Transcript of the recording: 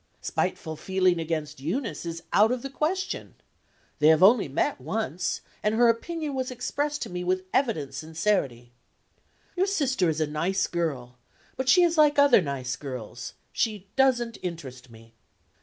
Spiteful feeling against Eunice is out of the question. They have only met once; and her opinion was expressed to me with evident sincerity: "Your sister is a nice girl, but she is like other nice girls she doesn't interest me."